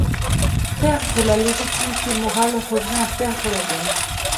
Perdre la légitimité morale revient à perdre la guerre.